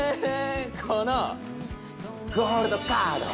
このゴールドカード！